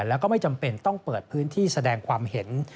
แล้วก็ไม่จำเป็นต้องเปิดพื้นที่แสดงความเห็น